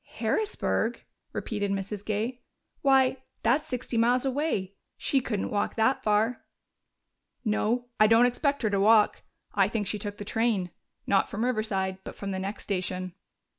"Harrisburg?" repeated Mrs. Gay. "Why, that's sixty miles away! She couldn't walk that far." "No, I don't expect her to walk. I think she took the train not from Riverside, but from the next station."